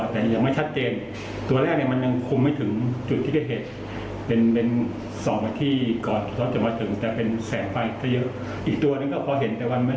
แล้วจากข่าวที่ออกไปบอกว่าเป็นรถแท็กซี่สีเหลืองเขียวข้อมูลนี้ชัดเจนไหมครับ